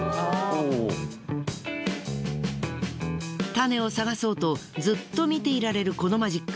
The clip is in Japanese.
タネを探そうとずっと見ていられるこのマジック。